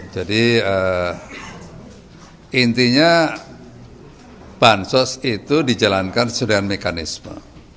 jadi intinya bansos itu dijalankan secara mekanisme